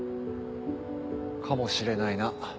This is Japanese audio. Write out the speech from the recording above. かもしれないな。